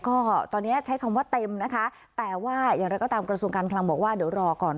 ก็ตอนนี้ใช้คำว่าเต็มนะคะแต่ว่าอย่างไรก็ตามกระทรวงการคลังบอกว่าเดี๋ยวรอก่อน